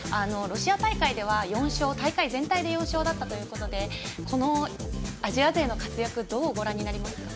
ロシア大会では大会全体で４勝だったということでこのアジア勢の活躍どうご覧になりますか？